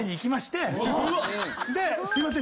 「すいません